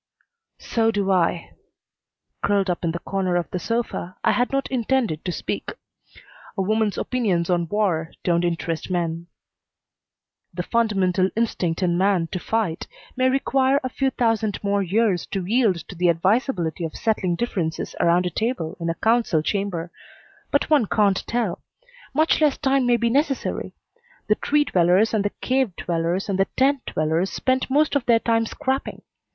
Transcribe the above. "So do I." Curled up in the corner of the sofa, I had not intended to speak. A woman's opinions on war don't interest men. "The fundamental instinct in man to fight may require a few thousand more years to yield to the advisability of settling differences around a table in a council chamber, but one can't tell. Much less time may be necessary. The tree dwellers and the cave dwellers and the tent dwellers spent most of their time scrapping.